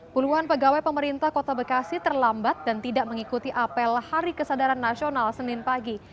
puluhan pegawai pemerintah kota bekasi terlambat dan tidak mengikuti apel hari kesadaran nasional senin pagi